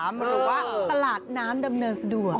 หรือว่าตลาดน้ำดำเนินสะดวก